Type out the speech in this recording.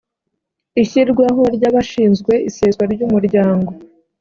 ishyirwaho ry abashinzwe iseswa ry umuryango